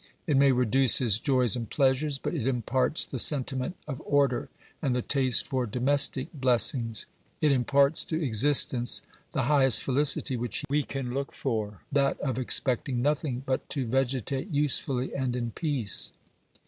It may reduce his joys and pleasures, but it imparts the sentiment of order and the taste for domestic blessings ; it imparts to existence the highest felicity which we can look for, that of expecting nothing but to vegetate usefully and in peace.